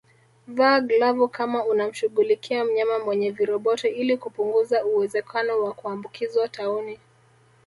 Vaa glavu kama unamshughulikia mnyama mwenye viroboto ili kupunguza uwezekano wa kuambukizwa tauni